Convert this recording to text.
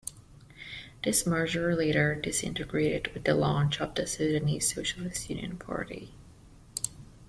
This merger later disintegrated with the launch of the Sudanese Socialist Union Party.